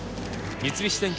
三菱電機